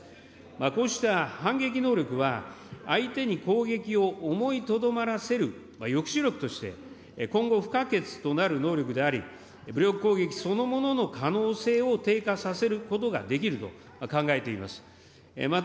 こうした反撃能力は、相手に攻撃を思いとどまらせる抑止力として、今後不可欠となる能力であり、武力攻撃そのものの可能性を低下させることができると考えています。